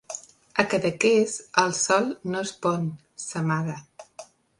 A Cadaqués, el sol no es pon, s'amaga.